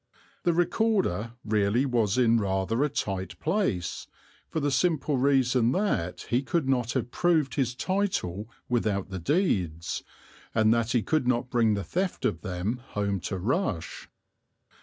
The Recorder really was in rather a tight place, for the simple reason that he could not have proved his title without the deeds, and that he could not bring the theft of them home to Rush.